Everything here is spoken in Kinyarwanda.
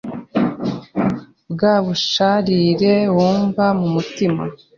Bwa busharire wumva mu mutima,